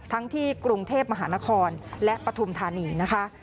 ที่กรุงเทพมหานครและปฐุมธานีนะคะ